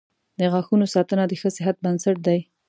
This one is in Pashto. • د غاښونو ساتنه د ښه صحت بنسټ دی.